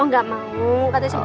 oh gak mau kata si om